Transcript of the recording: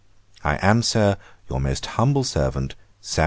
'I am, Sir, 'Your most humble servant, 'SAM.